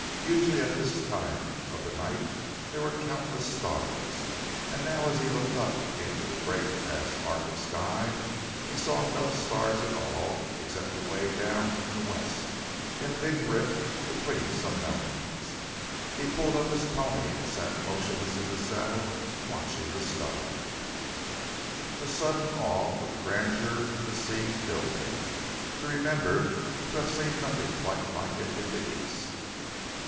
Usually at this time of the night there were countless stars, and now as he looked up into the great, vast arc of sky he saw no stars at all except away down in the west in a big rift between some mountains. He pulled up his pony and sat motionless in the saddle, watching the sky. A sudden awe for the grandeur of the scene filled him. He remembered to have seen nothing quite like it in the East.